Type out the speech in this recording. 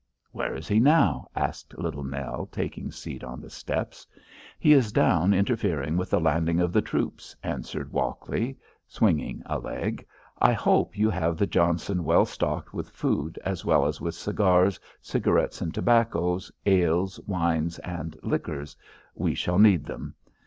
"Where is he now?" asked Little Nell, taking seat on the steps. "He is down interfering with the landing of the troops," answered Walkley, swinging a leg. "I hope you have the Johnson well stocked with food as well as with cigars, cigarettes and tobaccos, ales, wines and liquors. We shall need them.